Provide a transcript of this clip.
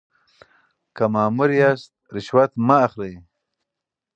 که مامور یاست رشوت مه اخلئ.